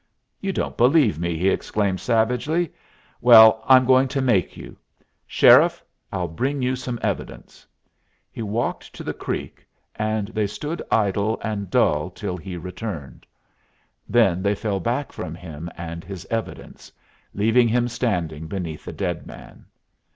"You don't believe me!" he exclaimed, savagely. "Well, I'm going to make you. Sheriff, I'll bring you some evidence." He walked to the creek, and they stood idle and dull till he returned. Then they fell back from him and his evidence, leaving him standing beneath the dead man.